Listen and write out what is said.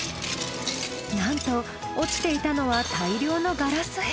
なんと落ちていたのは大量のガラス片。